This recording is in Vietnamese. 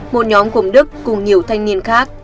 một nhóm cùng đức cùng nhiều thanh niên khác